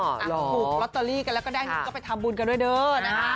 สั่งหกลอตเตอรี่กันแล้วก็ได้ก็ไปทำบุญกันด้วยเดิน